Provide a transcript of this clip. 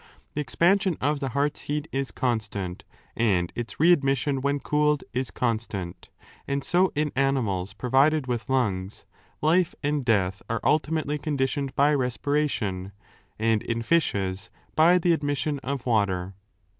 The expansion of the heart's heat is constant and its re admission when cooled is constant. And so in animals provided with lungs, life and death are ultimately conditioned by respiration, and in fishes by the admission of water.